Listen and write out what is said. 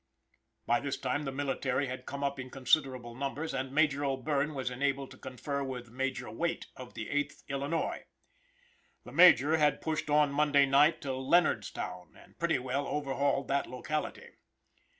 By this time the military had come up in considerable numbers, and Major O'Bierne was enabled to confer with Major Wait, of the Eighth Illinois. The major had pushed on Monday night to Leonardstown, and pretty well overhauled that locality.